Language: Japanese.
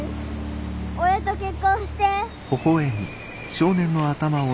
俺と結婚して。